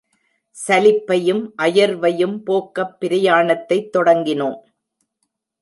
சலிப்பையும் அயர்வையும் போக்கப் பிரயாணத்தைத் தொடங்கினோம்.